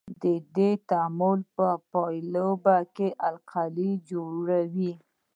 د دې تعامل په پایله کې القلي جوړوي.